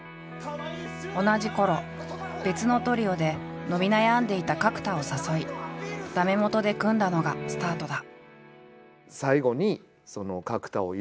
同じころ別のトリオで伸び悩んでいた角田を誘い駄目もとで組んだのがスタートだ。